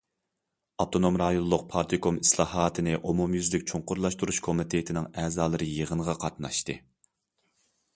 ئاپتونوم رايونلۇق پارتكوم ئىسلاھاتنى ئومۇميۈزلۈك چوڭقۇرلاشتۇرۇش كومىتېتىنىڭ ئەزالىرى يىغىنغا قاتناشتى.